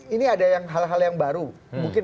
ini ada hal hal yang baru mungkin